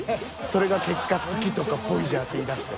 それが結果月とかボイジャーって言いだして。